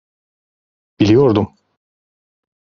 Biliyordum!